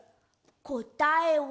こたえは。